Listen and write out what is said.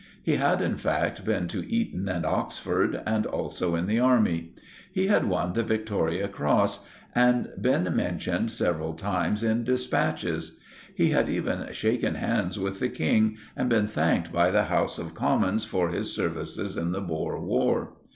He had, in fact, been to Eton and Oxford and also in the army. He had won the Victoria Cross and been mentioned several times in dispatches. He had even shaken hands with the King and been thanked by the House of Commons for his services in the Boer War.